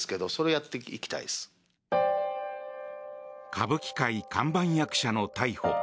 歌舞伎界、看板役者の逮捕。